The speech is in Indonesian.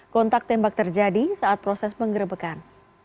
kontak tembak terjadi saat proses penggerbekan